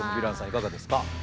いかがですか？